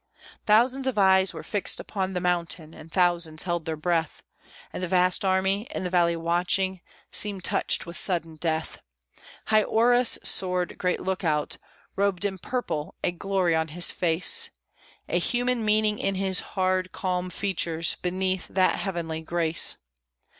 Thousands of eyes were fixed upon the mountain, and thousands held their breath, And the vast army, in the valley watching, seemed touched with sudden death. High o'er us soared great Lookout, robed in purple, a glory on his face, A human meaning in his hard, calm features, beneath that heavenly grace.